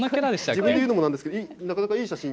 自分で言うのもなんですけど、なかなかいい写真。